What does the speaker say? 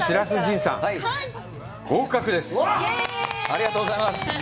ありがとうございます！